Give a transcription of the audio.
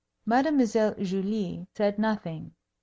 Mademoiselle Julie said nothing.